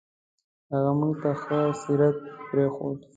هغه موږ ته ښه سیرت پرېښود.